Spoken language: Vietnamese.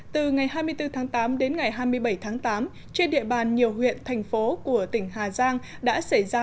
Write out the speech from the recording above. từ ngày hai mươi bốn tháng tám đến ngày hai mươi bảy tháng tám trên địa bàn nhiều huyện thành phố của tỉnh hà giang đã xảy ra